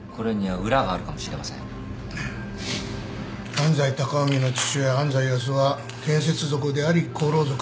安斎高臣の父親安斎康雄は建設族であり厚労族。